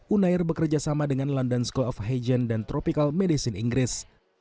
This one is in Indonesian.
unair bekerjasama dengan london school of hygiene dan tropical medicine inggris